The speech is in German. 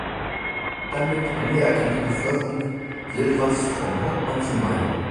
Damit einher ging die Beförderung Silvas vom Hauptmann zum Major.